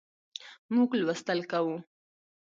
موږ لوستل کوو